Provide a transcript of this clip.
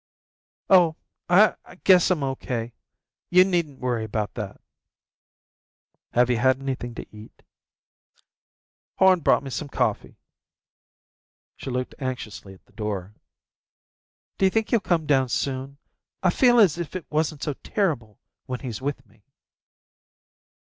"Oh, I guess I'm O. K. You needn't worry about that." "Have you had anything to eat?" "Horn brought me some coffee." She looked anxiously at the door. "D'you think he'll come down soon? I feel as if it wasn't so terrible when he's with me."